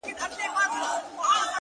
سم پسرلى ترې جوړ سي،